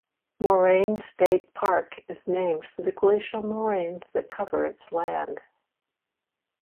Moraine State Park is named for the glacial moraines that cover its land.